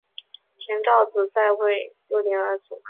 田悼子在位六年而卒。